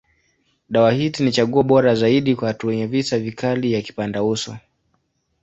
Dawa hizi ni chaguo bora zaidi kwa watu wenye visa vikali ya kipandauso.